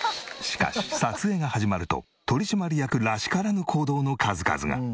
しかし撮影が始まると取締役らしからぬ行動の数々が。